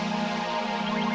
gue sama bapaknya